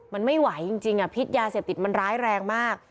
มันไม่ไหวจริงพิษยาเสพติดมันร้ายแรงมาก